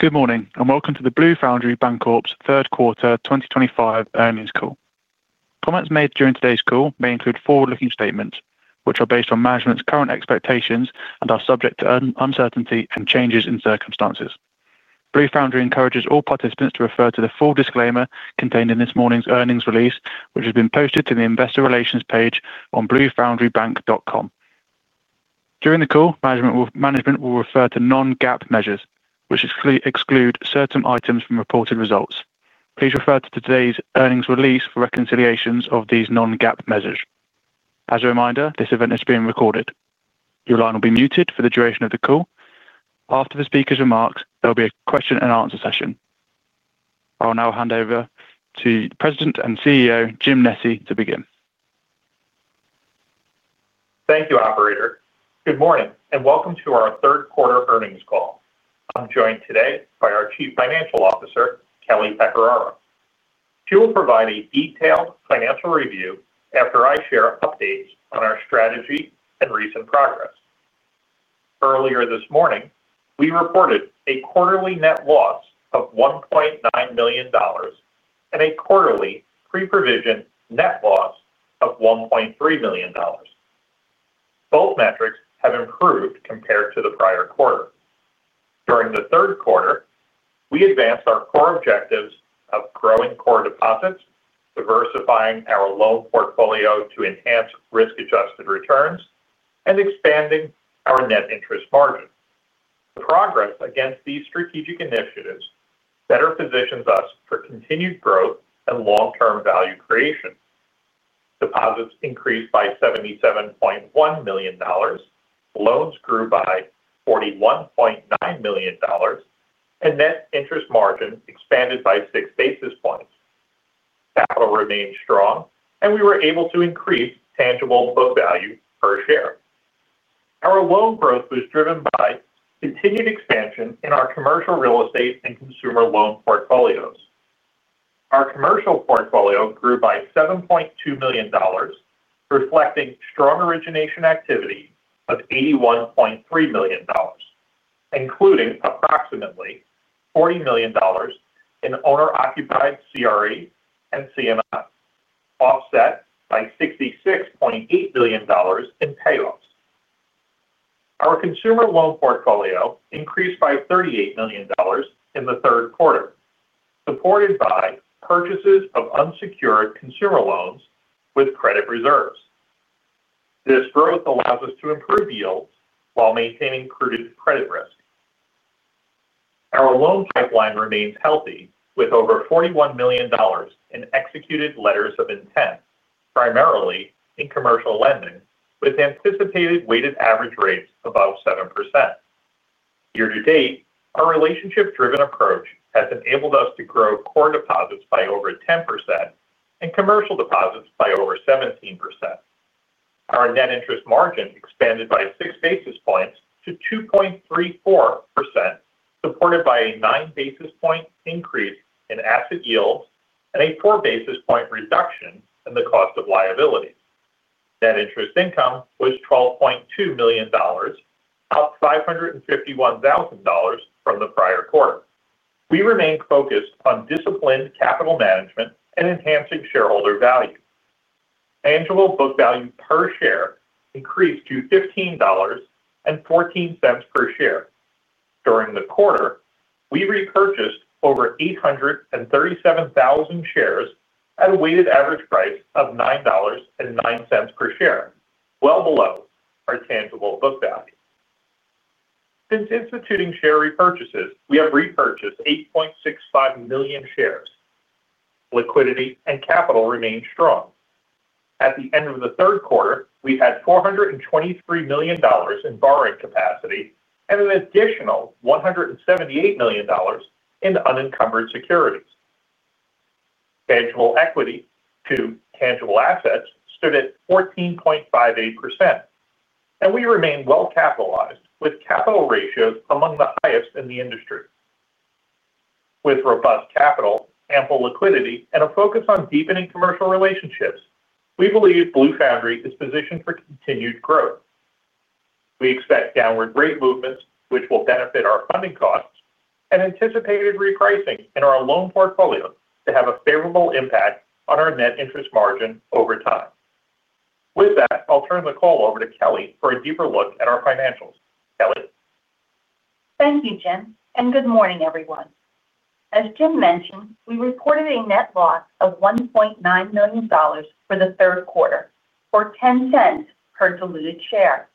Good morning and welcome to the Blue Foundry Bancorp's third quarter 2025 earnings call. Comments made during today's call may include forward-looking statements, which are based on management's current expectations and are subject to uncertainty and changes in circumstances. Blue Foundry encourages all participants to refer to the full disclaimer contained in this morning's earnings release, which has been posted to the investor relations page on bluefoundrybanc.com. During the call, management will refer to non-GAAP measures, which exclude certain items from reported results. Please refer to today's earnings release for reconciliations of these non-GAAP measures. As a reminder, this event is being recorded. Your line will be muted for the duration of the call. After the speaker's remarks, there will be a question and answer session. I'll now hand over to the President and CEO, James Nesci, to begin. Thank you, Operator. Good morning and welcome to our third quarter earnings call. I'm joined today by our Chief Financial Officer, Kelly Piperaro. She will provide a detailed financial review after I share updates on our strategy and recent progress. Earlier this morning, we reported a quarterly net loss of $1.9 million and a quarterly pre-provision net loss of $1.3 million. Both metrics have improved compared to the prior quarter. During the third quarter, we advanced our core objectives of growing core deposits, diversifying our loan portfolio to enhance risk-adjusted returns, and expanding our net interest margin. The progress against these strategic initiatives better positions us for continued growth and long-term value creation. Deposits increased by $77.1 million, loans grew by $41.9 million, and net interest margin expanded by six basis points. Capital remained strong, and we were able to increase tangible book value per share. Our loan growth was driven by continued expansion in our commercial real estate and consumer loan portfolios. Our commercial portfolio grew by $7.2 million, reflecting strong origination activity of $81.3 million, including approximately $40 million in owner-occupied commercial real estate and commercial and industrial segments, offset by $66.8 million in payoffs. Our consumer loan portfolio increased by $38 million in the third quarter, supported by purchases of unsecured consumer loans with credit reserves. This growth allows us to improve yields while maintaining prudent credit risk. Our loan pipeline remains healthy, with over $41 million in executed letters of intent, primarily in commercial lending, with anticipated weighted average rates above 7%. Year to date, our relationship-driven approach has enabled us to grow core deposits by over 10% and commercial deposits by over 17%. Our net interest margin expanded by six basis points to 2.34%, supported by a nine basis point increase in asset yields and a four basis point reduction in the cost of liabilities. Net interest income was $12.2 million, up $551,000 from the prior quarter. We remain focused on disciplined capital management and enhancing shareholder value. Tangible book value per share increased to $15.14 per share. During the quarter, we repurchased over 837,000 shares at a weighted average price of $9.09 per share, well below our tangible book value. Since instituting share repurchases, we have repurchased 8.65 million shares. Liquidity and capital remain strong. At the end of the third quarter, we had $423 million in borrowing capacity and an additional $178 million in unencumbered securities. Tangible equity to tangible assets stood at 14.58%, and we remain well capitalized with capital ratios among the highest in the industry. With robust capital, ample liquidity, and a focus on deepening commercial relationships, we believe Blue Foundry Bancorp is positioned for continued growth. We expect downward rate movements, which will benefit our funding costs, and anticipated repricing in our loan portfolio to have a favorable impact on our net interest margin over time. With that, I'll turn the call over to Kelly for a deeper look at our financials. Kelly. Thank you, Jim, and good morning, everyone. As Jim mentioned, we reported a net loss of $1.9 million for the third quarter, or $0.10 per diluted share.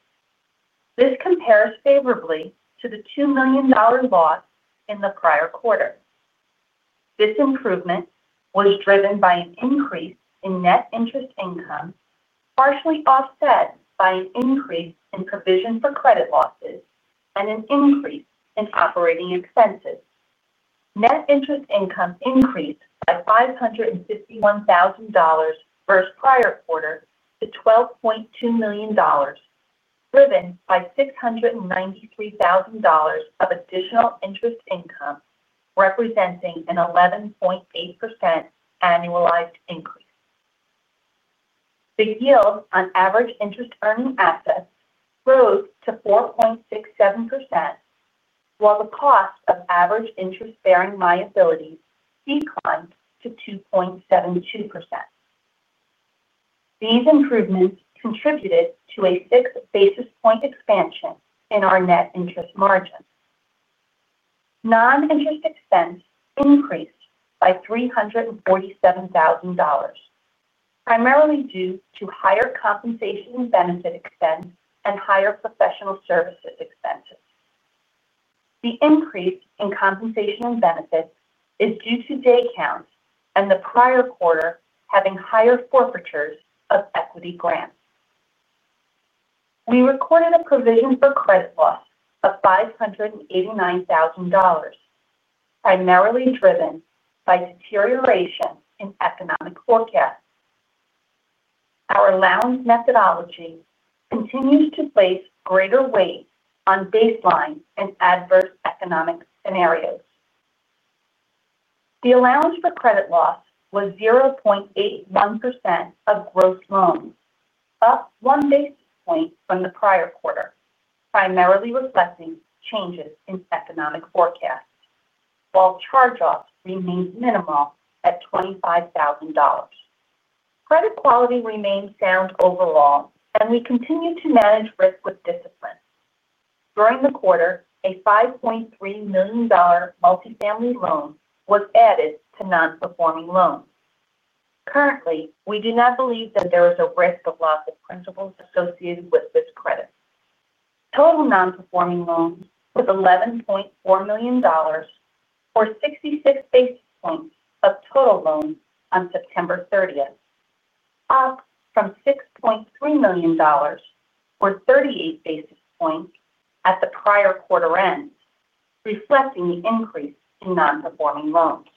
This compares favorably to the $2 million loss in the prior quarter. This improvement was driven by an increase in net interest income, partially offset by an increase in provision for credit losses and an increase in operating expenses. Net interest income increased by $551,000 versus prior quarter to $12.2 million, driven by $693,000 of additional interest income, representing an 11.8% annualized increase. The yield on average interest-earning assets rose to 4.67%, while the cost of average interest-bearing liabilities declined to 2.72%. These improvements contributed to a six basis point expansion in our net interest margin. Non-interest expense increased by $347,000, primarily due to higher compensation and benefit expense and higher professional services expenses. The increase in compensation and benefits is due to day counts and the prior quarter having higher forfeitures of equity grants. We recorded a provision for credit loss of $589,000, primarily driven by deterioration in economic forecasts. Our allowance methodology continues to place greater weight on baseline and adverse economic scenarios. The allowance for credit loss was 0.81% of gross loans, up one basis point from the prior quarter, primarily reflecting changes in economic forecasts, while charge-offs remained minimal at $25,000. Credit quality remained sound overall, and we continue to manage risk with discipline. During the quarter, a $5.3 million multifamily loan was added to non-performing loans. Currently, we do not believe that there is a risk of loss of principal associated with this credit. Total non-performing loans were $11.4 million, or 66 basis points of total loans on September 30, up from $6.3 million, or 38 basis points at the prior quarter end, reflecting the increase in non-performing loans.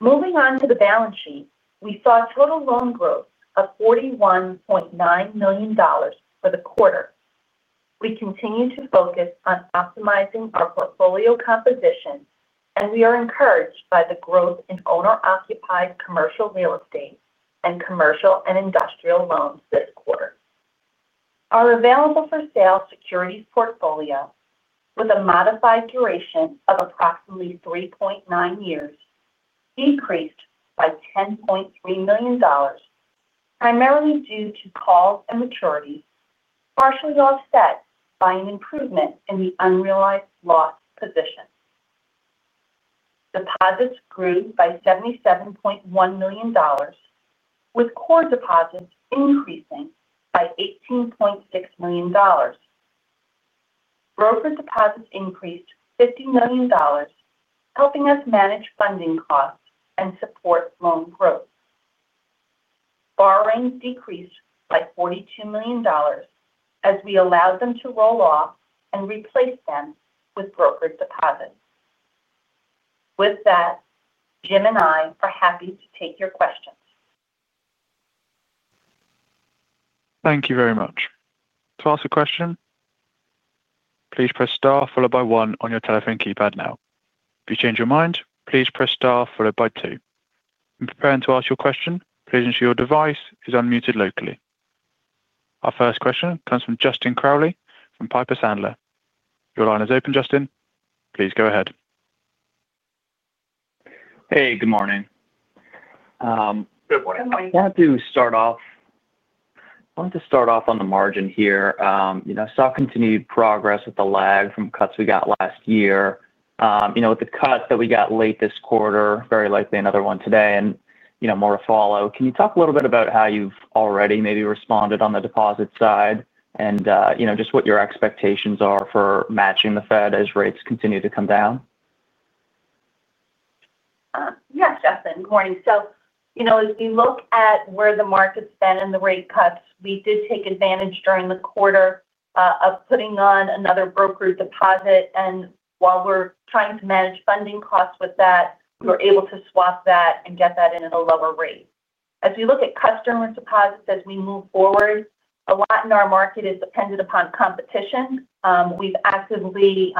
Moving on to the balance sheet, we saw total loan growth of $41.9 million for the quarter. We continue to focus on optimizing our portfolio composition, and we are encouraged by the growth in owner-occupied commercial real estate and commercial and industrial loans this quarter. Our available for sale securities portfolio, with a modified duration of approximately 3.9 years, decreased by $10.3 million, primarily due to calls and maturity, partially offset by an improvement in the unrealized loss position. Deposits grew by $77.1 million, with core deposits increasing by $18.6 million. Brokered deposits increased $50 million, helping us manage funding costs and support loan growth. Borrowings decreased by $42 million as we allowed them to roll off and replace them with brokered deposits. With that, Jim and I are happy to take your questions. Thank you very much. To ask a question, please press star followed by one on your telephone keypad now. If you change your mind, please press star followed by two. In preparing to ask your question, please ensure your device is unmuted locally. Our first question comes from Justin Crowley from Piper Sandler. Your line is open, Justin. Please go ahead. Hey, good morning. I wanted to start off on the margin here. I saw continued progress with the lag from cuts we got last year. With the cuts that we got late this quarter, very likely another one today and more to follow. Can you talk a little bit about how you've already maybe responded on the deposit side and just what your expectations are for matching the Fed as rates continue to come down? Yes, Justin. Good morning. As we look at where the market's been in the rate cuts, we did take advantage during the quarter of putting on another brokered deposit. While we're trying to manage funding costs with that, we were able to swap that and get that into the lower rate. As we look at customer deposits as we move forward, a lot in our market is dependent upon competition. We've actively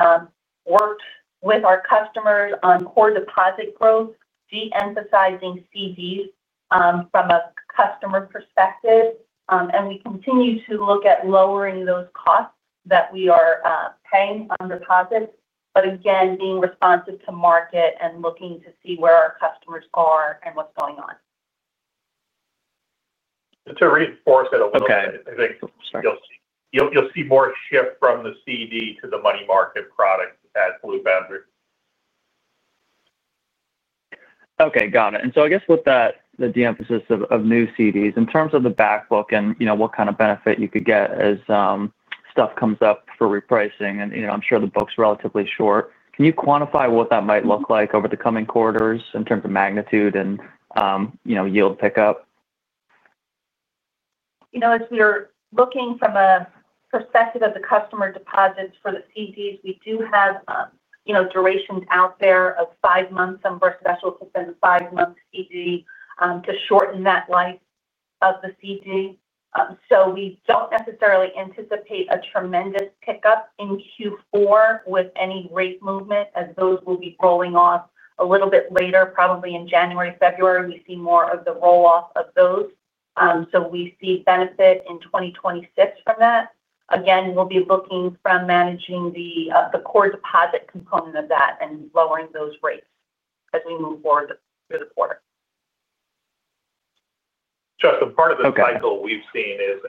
worked with our customers on core deposit growth, de-emphasizing CDs from a customer perspective. We continue to look at lowering those costs that we are paying on deposits, but again, being responsive to market and looking to see where our customers are and what's going on. To reinforce it a little bit, I think you'll see more shift from the CD to the money market product at Blue Foundry Bancorp. Okay, got it. With that, the de-emphasis of new CDs in terms of the backbook and what kind of benefit you could get as stuff comes up for repricing, I'm sure the book's relatively short. Can you quantify what that might look like over the coming quarters in terms of magnitude and yield pickup? As we are looking from a perspective of the customer deposits for the CDs, we do have, you know, durations out there of five months. Some of our specialists have been a five-month CD to shorten that life of the CD. We don't necessarily anticipate a tremendous pickup in Q4 with any rate movement, as those will be rolling off a little bit later, probably in January, February, we see more of the roll-off of those. We see benefit in 2026 from that. Again, we'll be looking from managing the core deposit component of that and lowering those rates as we move forward through the quarter. Justin, part of the cycle we've seen is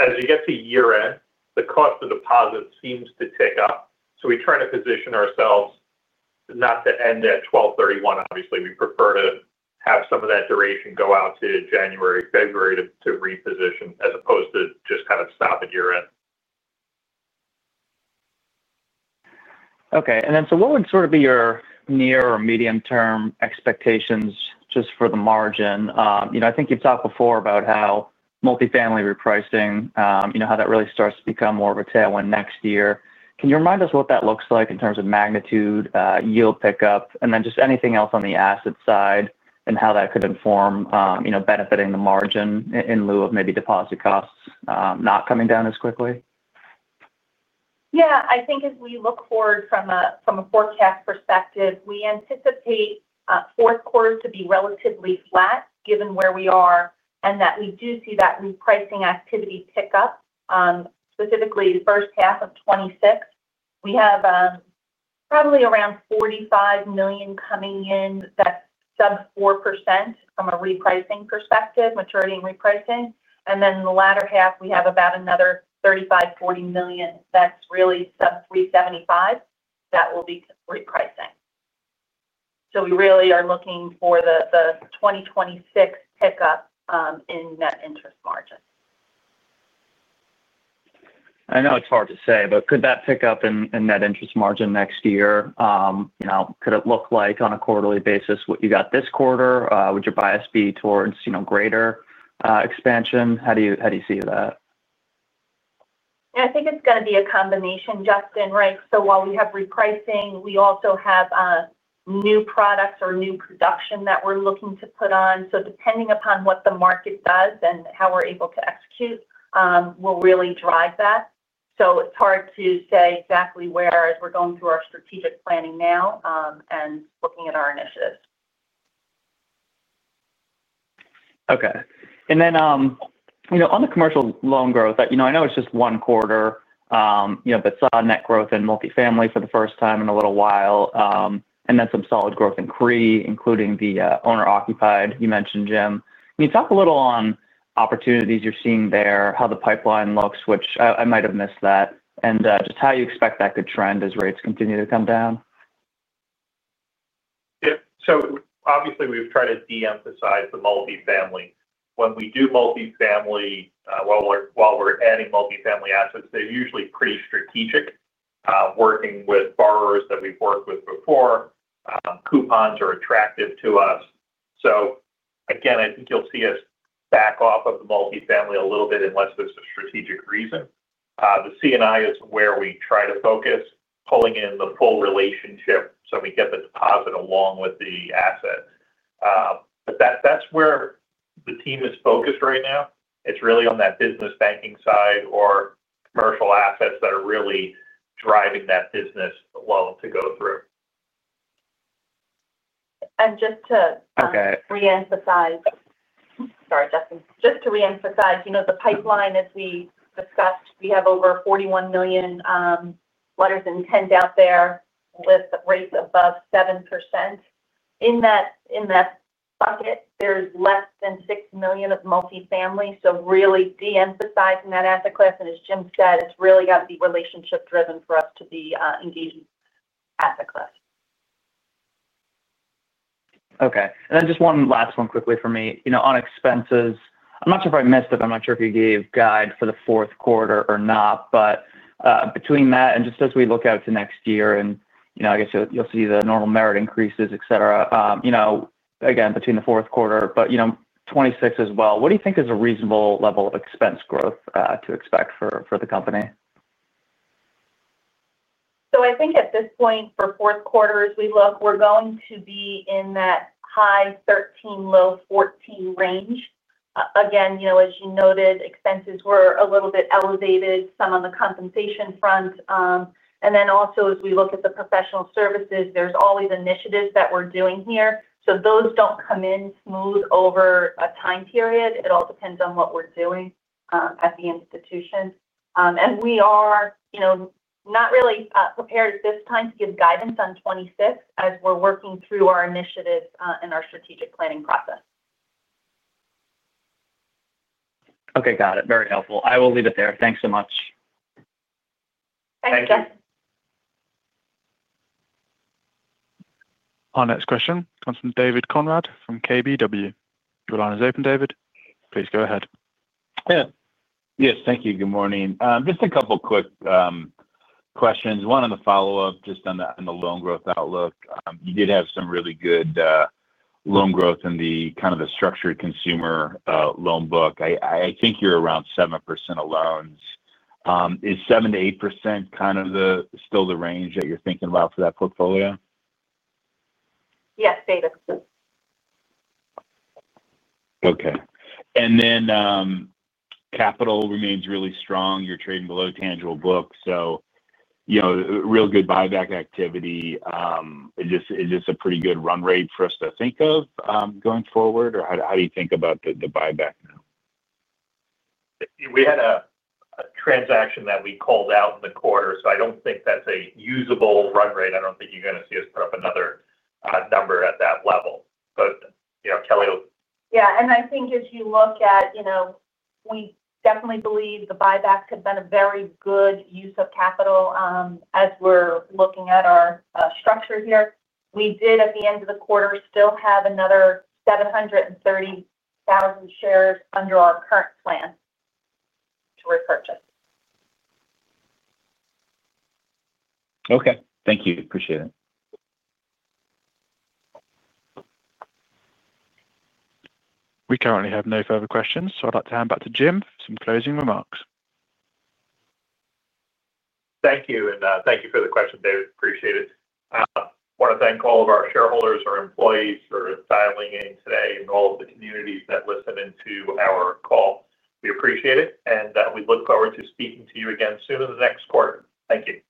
as you get to year-end, the cost of deposit seems to tick up. We try to position ourselves not to end at 12/31. Obviously, we prefer to have some of that duration go out to January, February to reposition as opposed to just kind of stop at year-end. Okay. What would sort of be your near or medium-term expectations just for the margin? I think you've talked before about how multifamily repricing, how that really starts to become more of a tailwind next year. Can you remind us what that looks like in terms of magnitude, yield pickup, and then just anything else on the asset side and how that could inform benefiting the margin in lieu of maybe deposit costs not coming down as quickly? Yeah, I think as we look forward from a forecast perspective, we anticipate fourth quarter to be relatively flat given where we are and that we do see that repricing activity pick up. Specifically, the first half of 2026, we have probably around $45 million coming in. That's sub 4% from a repricing perspective, maturity and repricing. In the latter half, we have about another $35 million, $40 million that's really sub 3.75% that will be repricing. We really are looking for the 2026 pickup in net interest margin. I know it's hard to say, but could that pickup in net interest margin next year, you know, could it look like on a quarterly basis what you got this quarter? Would your bias be towards, you know, greater expansion? How do you see that? Yeah, I think it's going to be a combination, Justin, right? While we have repricing, we also have new products or new production that we're looking to put on. Depending upon what the market does and how we're able to execute will really drive that. It's hard to say exactly where as we're going through our strategic planning now and looking at our initiatives. Okay. On the commercial loan growth, I know it's just one quarter, but saw net growth in multifamily for the first time in a little while, and then some solid growth in commercial real estate, including the owner-occupied you mentioned, Jim. Can you talk a little on opportunities you're seeing there, how the pipeline looks, which I might have missed that, and just how you expect that could trend as rates continue to come down? Yeah. Obviously, we've tried to de-emphasize the multifamily. When we do multifamily, while we're adding multifamily assets, they're usually pretty strategic, working with borrowers that we've worked with before. Coupons are attractive to us. I think you'll see us back off of the multifamily a little bit unless there's a strategic reason. The commercial and industrial segments are where we try to focus, pulling in the full relationship so we get the deposit along with the asset. That's where the team is focused right now. It's really on that business banking side or commercial assets that are really driving that business loan to go through. Just to reemphasize, sorry, Justin, just to reemphasize, you know, the pipeline, as we discussed, we have over $41 million letters of intent out there with rates above 7%. In that bucket, there's less than $6 million of multifamily. Really de-emphasizing that asset class. As Jim said, it's really got to be relationship-driven for us to be engaging asset class. Okay. Just one last one quickly for me. On expenses, I'm not sure if I missed it. I'm not sure if you gave guide for the fourth quarter or not, but between that and just as we look out to next year, I guess you'll see the normal merit increases, etc., between the fourth quarter and 2026 as well. What do you think is a reasonable level of expense growth to expect for the company? At this point for fourth quarter as we look, we're going to be in that high 13, low 14 range. Again, as you noted, expenses were a little bit elevated, some on the compensation front. Also, as we look at the professional services, there's always initiatives that we're doing here. Those don't come in smooth over a time period. It all depends on what we're doing at the institution. We are not really prepared at this time to give guidance on 2026 as we're working through our initiatives and our strategic planning process. Okay, got it. Very helpful. I will leave it there. Thanks so much. Thanks, Justin. Our next question comes from David Konrad from KBW. Your line is open, David. Please go ahead. Yes, thank you. Good morning. Just a couple of quick questions. One on the follow-up just on the loan growth outlook. You did have some really good loan growth in the kind of the structured consumer loan book. I think you're around 7% of loans. Is 7%-8% kind of still the range that you're thinking about for that portfolio? Yes, David. Okay. Capital remains really strong. You're trading below tangible book, so real good buyback activity. Is this a pretty good run rate for us to think of going forward, or how do you think about the buyback now? We had a transaction that we called out in the quarter. I don't think that's a usable run rate. I don't think you're going to see us put up another number at that level. You know, Kelly. I think as you look at, you know, we definitely believe the buyback could have been a very good use of capital. As we're looking at our structure here, we did at the end of the quarter still have another 730,000 shares under our current plan to repurchase. Okay, thank you. Appreciate it. We currently have no further questions, so I'd like to hand back to Jim for some closing remarks. Thank you. Thank you for the question, David. Appreciate it. I want to thank all of our shareholders and our employees for dialing in today, and all of the communities that listen in to our call. We appreciate it, and we look forward to speaking to you again soon in the next quarter. Thank you.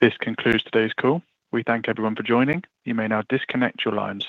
This concludes today's call. We thank everyone for joining. Youmay now disconnect your lines.